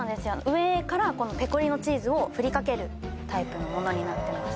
上からこのペコリーノチーズをふりかけるタイプのものになってます